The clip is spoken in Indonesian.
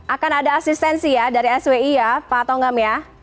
akan ada asistensi ya dari swi ya pak tongam ya